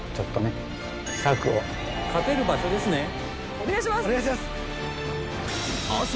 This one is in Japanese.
お願いします！